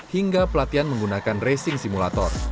hingga pelatihan menggunakan racing simulator